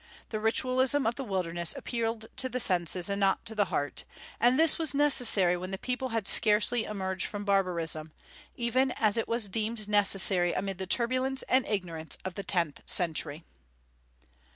The ritualism of the wilderness appealed to the senses and not to the heart; and this was necessary when the people had scarcely emerged from barbarism, even as it was deemed necessary amid the turbulence and ignorance of the tenth century.